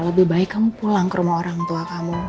lebih baik kamu pulang ke rumah orang tua kamu